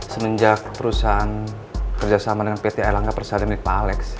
semenjak perusahaan kerja sama dengan pti langka persadanya milik pak alex